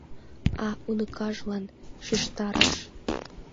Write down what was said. А уныкажлан шижтарыш: